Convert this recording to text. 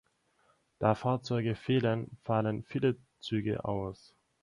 Da Fahrzeuge fehlen, fallen viele Züge aus.